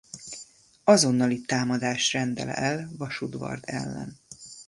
Azonnali támadást rendel el Vasudvard ellen.